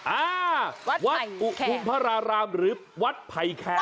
อ่าวัดอุทุมพระรารามหรือวัดไผ่แคร์